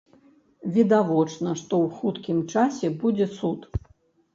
Відавочна, што ў хуткім часе будзе суд.